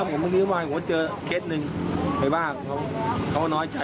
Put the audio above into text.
เหรอไหมเมื่อกี้หาคนเจอเครต์นึงเหมือนว่าเขาน้อยใจ